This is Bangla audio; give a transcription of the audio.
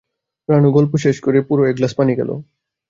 রানু গল্প শেষ করে পুরো একগ্লাস পানি খেল।